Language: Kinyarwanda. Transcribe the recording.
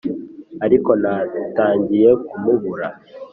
ariko natangiye kumubura